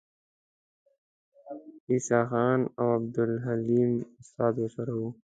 عیسی خان او عبدالحلیم استاد ورسره وو.